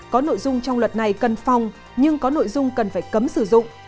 có nội dung trong luật này cần phòng nhưng có nội dung cần phải cấm sử dụng